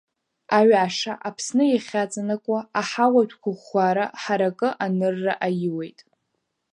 Аҩаша, Аԥсны иахьаҵанакуа, аҳауатә қәыӷәӷәара ҳаракы анырра аиуеит.